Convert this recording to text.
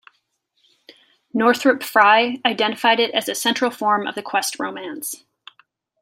Northrop Frye identified it as a central form of the quest romance.